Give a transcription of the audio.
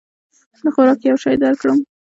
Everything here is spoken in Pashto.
د خوراک یو شی درکړم؟